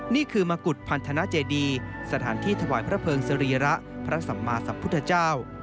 นี่คือมกุฎพันธนาเจดีสถานที่ถวายพระเพิงสรีระพระสัมมาสัมพุทธเจ้า